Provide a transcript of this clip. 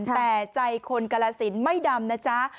แต่ใจคนกรสินไม่ดำนะจ๊ะ